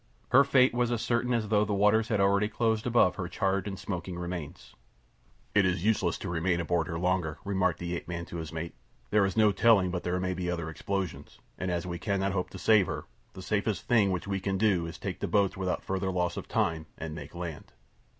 Her fate was as certain as though the waters had already closed above her charred and smoking remains. "It is useless to remain aboard her longer," remarked the ape man to the mate. "There is no telling but there may be other explosions, and as we cannot hope to save her, the safest thing which we can do is to take to the boats without further loss of time and make land."